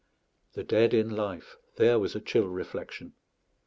The dead in life there was a chill reflection.